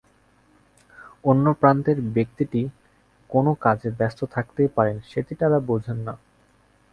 অন্য প্রান্তের ব্যক্তিটি কোনো কাজে ব্যস্ত থাকতেই পারেন, সেটি তাঁরা বোঝেন না।